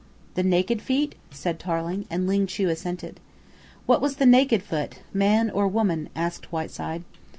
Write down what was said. "The naked feet?" said Tarling, and Ling Chu assented. "What was the naked foot man or woman?" asked Whiteside.